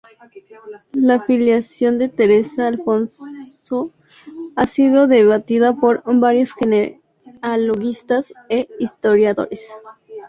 La filiación de Teresa Alfonso ha sido debatida por varios genealogistas e historiadores.